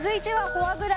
フォアグラ。